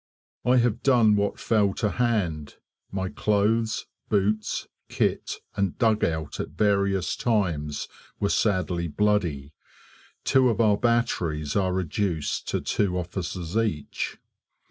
I have done what fell to hand. My clothes, boots, kit, and dugout at various times were sadly bloody. Two of our batteries are reduced to two officers each.